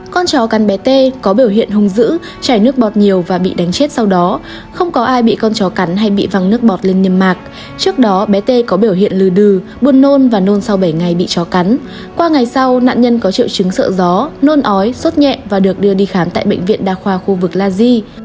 con chó cắn bé t t h t có biểu hiện hung dữ chảy nước bọt nhiều và bị đánh chết sau đó không có ai bị con chó cắn hay bị văng nước bọt lên niềm mạc trước đó bé t t h t có biểu hiện lừ đừ buồn nôn và nôn sau bảy ngày bị chó cắn qua ngày sau nạn nhân có triệu chứng sợ gió nôn ói xốt nhẹ và được đưa đi khám tại bệnh viện đa khoa khu vực la di